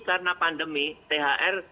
karena pandemi thr